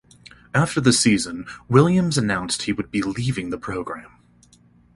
After the season Williams announced he would be leaving the program.